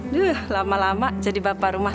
ini lama lama jadi bapak rumah